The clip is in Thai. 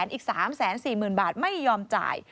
อีก๓๔๐๐๐บาทไม่ยอมจ่าย